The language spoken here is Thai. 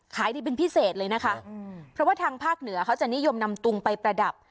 ขายดีเป็นพิเศษเลยนะคะเพราะว่าทางภาคเหนือเขาจะนิยมนำตุงไปประดับ